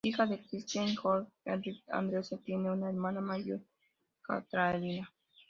Hija de Kristin y Johan Henrik Andresen, tiene una hermana mayor Katharina.